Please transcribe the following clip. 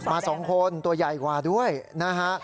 มา๒คนตัวใหญ่กว่าด้วยนะฮะ